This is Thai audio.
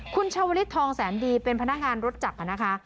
คุณชาวลิศทองแสนดีเป็นพนักงานรถจักรนะคะ